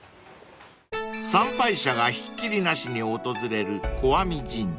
［参拝者がひっきりなしに訪れる小網神社］